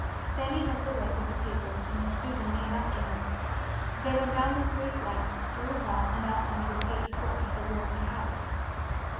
Fanny led the way with the papers, and Susan came after her. They went down the three flights, through a hall, and out into a paved court at the rear of the house.